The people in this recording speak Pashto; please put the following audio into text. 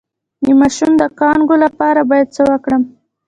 د ماشوم د کانګو لپاره باید څه وکړم؟